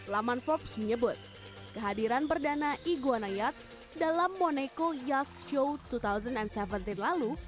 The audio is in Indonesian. laman forbes menyebut kehadiran perdana iguana yacht dalam monaco yacht show dua ribu tujuh belas lalu